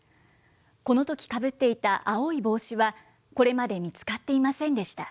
このとき、かぶっていた青い帽子は、これまで見つかっていませんでした。